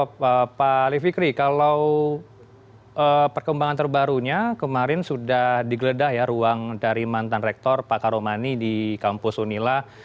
oke pak ali fikri kalau perkembangan terbarunya kemarin sudah digeledah ya ruang dari mantan rektor pak karomani di kampus unila